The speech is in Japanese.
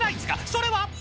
それは］